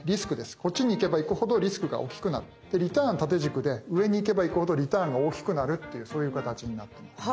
こっちに行けば行くほどリスクが大きくなってリターン縦軸で上に行けば行くほどリターンが大きくなるっていうそういう形になってます。